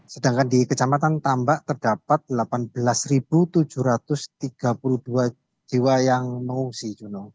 sedangkan di kecamatan tambak terdapat delapan belas tujuh ratus tiga puluh dua jiwa yang mengungsi